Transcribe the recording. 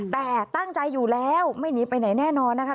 แต่ตั้งใจอยู่แล้วไม่หนีไปไหนแน่นอนนะคะ